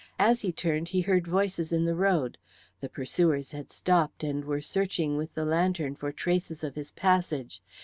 As he turned he heard voices in the road. The pursuers had stopped and were searching with the lantern for traces of his passage.